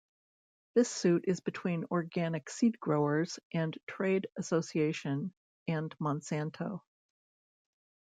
This suit is between Organic Seed Growers and Trade Association and Monsanto.